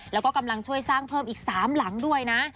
แล้วก็กำลังช่วยสร้างเพิ่มอีก๓หลังด้วยนะ